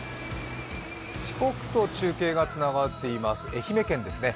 四国と中継がつながっています、愛媛県ですね。